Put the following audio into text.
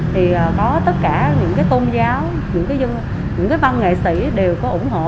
thì có tất cả những tôn giáo những văn nghệ sĩ đều có ủng hộ